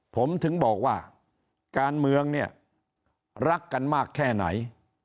ผมถึงบอกว่าการเมืองเนี่ยรักกันมากแค่ไหน